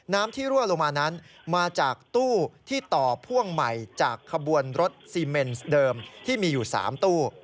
น้ำที่รั่วลงมานั้นมาจากตู้ที่ต่อพ่วงใหม่จากขบวนรถซีเมนเดิมที่มีอยู่๓ตู้